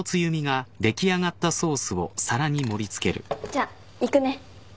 じゃあ行くね。